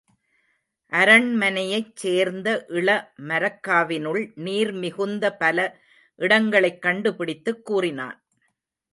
அரண்மனையைச் சேர்ந்த இள மரக்காவினுள் நீர் மிகுந்த பல இடங்களைக் கண்டு பிடித்துக் கூறினான்.